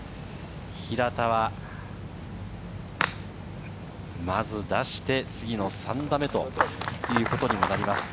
平田はまず出して、次の３打目ということになります。